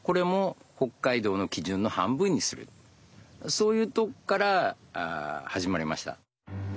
そういうとこから始まりました。